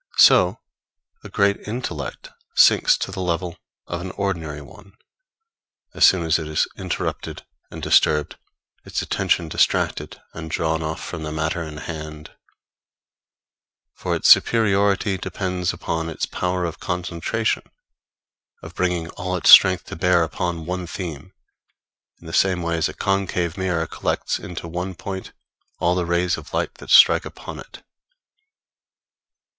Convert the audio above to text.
So a great intellect sinks to the level of an ordinary one, as soon as it is interrupted and disturbed, its attention distracted and drawn off from the matter in hand; for its superiority depends upon its power of concentration of bringing all its strength to bear upon one theme, in the same way as a concave mirror collects into one point all the rays of light that strike upon it.